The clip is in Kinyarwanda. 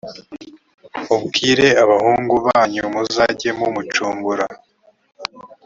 mubwire abahungu banyu muzajye mumucungura